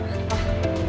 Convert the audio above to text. terima kasih pak